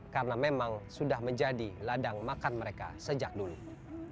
karena memang sudah menjadi ladang makan mereka sejak dulu